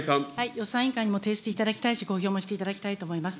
予算委員会にも提出いただきたいし、公表もしていただきたいと思います。